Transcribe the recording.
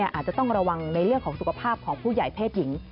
อาจจะต้องระวังในเรื่องของสุขภาพของผู้ใหญ่เพศหญิง